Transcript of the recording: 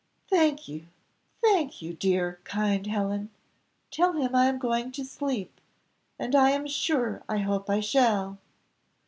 "Thank you, thank you, dear, kind Helen; tell him I am going to sleep, and I am sure I hope I shall."